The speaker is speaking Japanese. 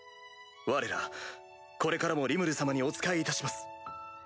われらこれからもリムル様にお仕えいたします。